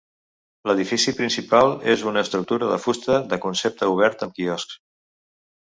L'edifici principal és una estructura de fusta de concepte obert amb quioscs.